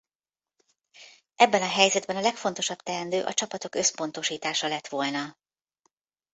Ebben a helyzetben a legfontosabb teendő a csapatok összpontosítása lett volna.